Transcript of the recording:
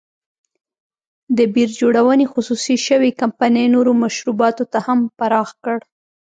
د بیر جوړونې خصوصي شوې کمپنۍ نورو مشروباتو ته هم پراخ کړ.